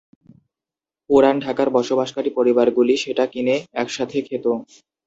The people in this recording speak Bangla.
পুরান ঢাকার বসবাসকারী পরিবারগুলি সেটা কিনে একসাথে খেত।